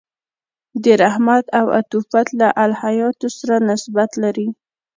د رحمت او عطوفت له الهیاتو سره نسبت لري.